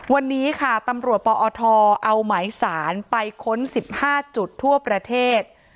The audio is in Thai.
วันนี้ค่ะตำรวจปอทเอาหมายสารไปค้น๑๕จุดทั่วประเทศ